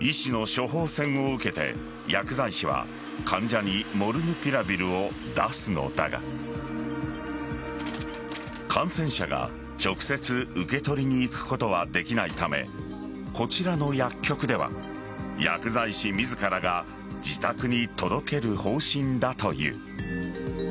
医師の処方せんを受けて薬剤師は患者にモルヌピラビルを出すのだが感染者が直接受け取りに行くことはできないためこちらの薬局では薬剤師自らが自宅に届ける方針だという。